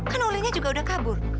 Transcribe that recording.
kan olinya juga udah kabur